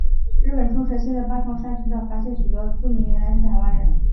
日本冲绳县的八重山群岛发现许多住民原来是台湾人。